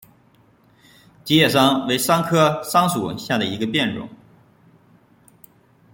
戟叶桑为桑科桑属下的一个变种。